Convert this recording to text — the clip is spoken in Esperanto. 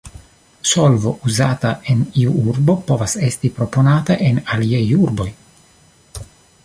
Solvo uzata en iu urbo povas esti proponata en aliaj urboj.